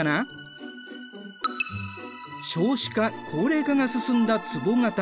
少子化高齢化が進んだつぼ型。